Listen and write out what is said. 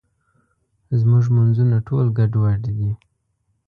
زموږ مونځونه ټول ګډوډ دي.